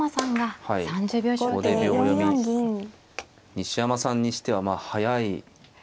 西山さんにしては早い。